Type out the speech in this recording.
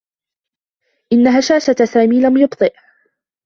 إنّ هشاشة سامي لم يبطئه.